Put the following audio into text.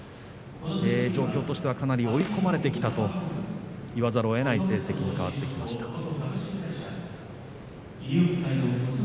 状況としてはかなり追い込まれてきたと言わざるをえない成績に変わってきました。